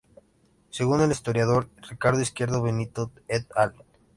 Según el historiador Ricardo Izquierdo Benito "et al.